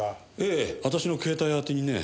ええ私の携帯宛てにね。